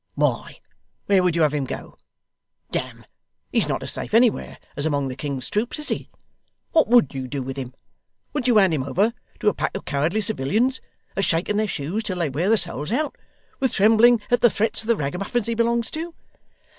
'Why where would you have him go! Damme, he's not as safe anywhere as among the king's troops, is he? What WOULD you do with him? Would you hand him over to a pack of cowardly civilians, that shake in their shoes till they wear the soles out, with trembling at the threats of the ragamuffins he belongs to?